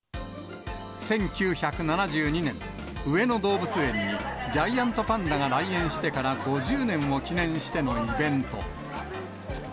１９７２年、上野動物園にジャイアントパンダが来園してから５０年を記念してのイベント。